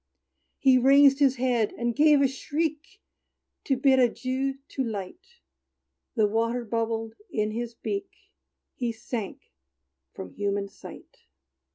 He raised his head, and gave a shriek, To bid adieu to light: The water bubbled in his beak He sank from human sight!